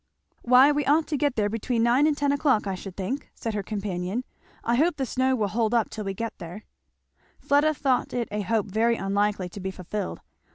"Why we ought to get there between nine and ten o'clock, I should think," said her companion. "I hope the snow will hold up till we get there," Fleda thought it a hope very unlikely to be fulfilled.